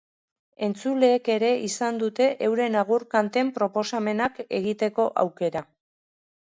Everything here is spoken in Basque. Entzuleek ere izan dute euren agur kanten proposamenak egiteko aukera.